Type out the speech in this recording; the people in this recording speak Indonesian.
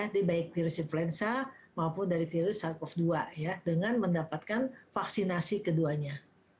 nanti baik virus influenza maupun dari virus sars cov dua ya dengan mendapatkan vaksinasi keduanya